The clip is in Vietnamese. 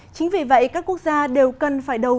chính vì vậy các quốc gia đều cần phải đồng ý